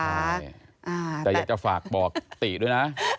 แต่อยากจะฝากบอกติด้วยนะ